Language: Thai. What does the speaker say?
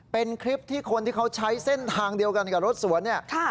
เป็นคลิปที่คนที่เขาใช้เส้นทางเดียวกันกับรถสวนเนี่ย